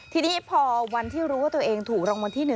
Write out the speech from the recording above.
ทีนี้พอวันที่รู้ว่าตัวเองถูกรางวัลที่๑